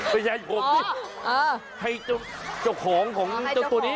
ไปใช้ผมนี้ให้เจ้าของของตัวนี้ค่ะ